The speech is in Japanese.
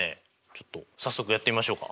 ちょっと早速やってみましょうか。